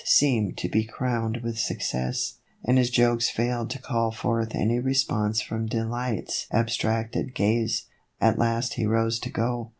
seem to be crowned with success, and his jokes failed to call forth any response from Delight's abstracted gaze. At last he rose to go.